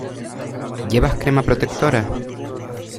¿Llevas crema protectora?